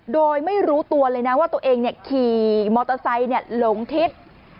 โดยไม่รู้ตัวเลยนะว่าตัวเองขี่มอเตอร์ไซค์หลงทิศ